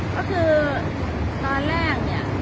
ก็คือตอนแรกเนี่ย